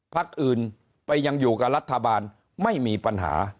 พักอื่นไปยังอยู่กับรัฐบาลไม่มีปัญหา